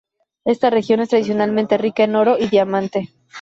Esta región es tradicionalmente rica en oro y diamante.